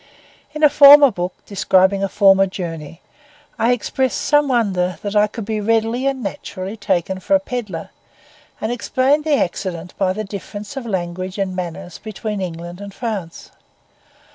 In a former book, describing a former journey, I expressed some wonder that I could be readily and naturally taken for a pedlar, and explained the accident by the difference of language and manners between England and France.